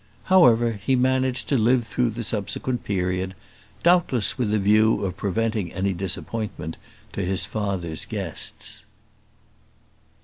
However, he managed to live through the subsequent period; doubtless with a view of preventing any disappointment to his father's guests.